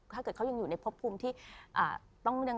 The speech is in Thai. ถ้าเกิดเขายังอยู่ในพบภูมิที่